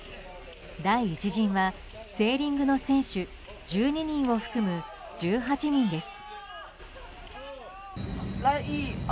第１陣はセーリングの選手１２人を含む１８人です。